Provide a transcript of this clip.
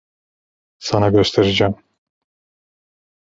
Sana göstereceğim.